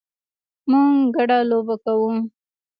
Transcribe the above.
موږ ګډه لوبې کوو